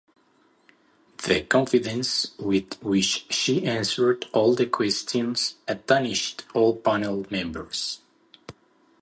The confidence with which she answered all the questions astonished all panel members.